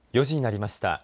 ４時になりました。